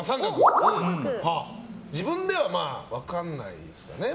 自分では分からないですもんね。